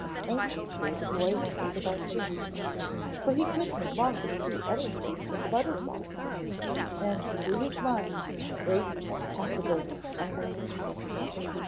Anxiously the boy wondered about Jim, for he could no longer see anything but the butterflies, and through his mind raced half a dozen plans.